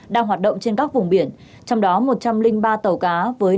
đang hoạt động trên các vùng biển trong đó một trăm linh ba tàu cá với năm trăm linh bốn